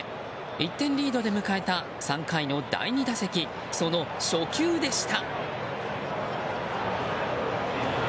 １点リードで迎えた３回の第２打席その初球でした。